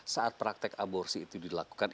saat praktek aborsi itu dilakukan